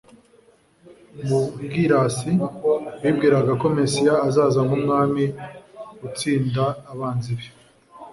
Mu bwirasi, bibwiraga ko Mesiya azaza nk'umwami, utsinda abanzi be,